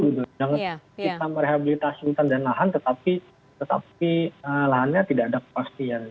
jangan kita merehabilitasi hutan dan lahan tetapi lahannya tidak ada kepastian